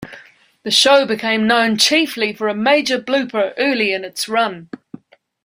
The show became known chiefly for a major blooper early in its run.